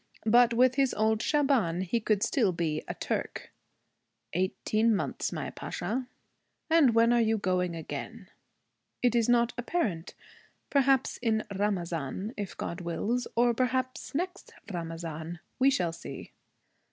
But with his old Shaban he could still be a Turk. 'Eighteen months, my Pasha.' 'And when are you going again?' 'It is not apparent. Perhaps in Ramazan, if God wills. Or perhaps next Ramazan. We shall see.'